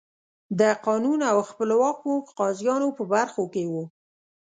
د قانون او خپلواکو قاضیانو په برخو کې وو.